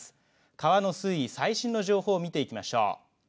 川の水位最新の情報を見ていきましょう。